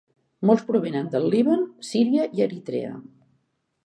Molts provenen del Líban, Síria i Eritrea.